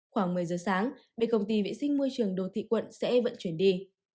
khoảng một mươi giờ sáng bệnh công ty vệ sinh môi trường đồ thị quận sẽ vận chuyển đi